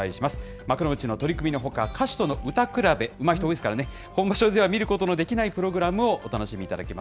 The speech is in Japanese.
幕内の取組のほか、歌手との歌くらべ、うまい人多いですからね、本場所で見ることのできないプログラムをお楽しみいただけます。